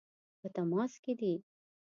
په تماس کې دي.